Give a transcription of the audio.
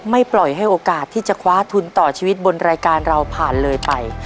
ปล่อยให้โอกาสที่จะคว้าทุนต่อชีวิตบนรายการเราผ่านเลยไป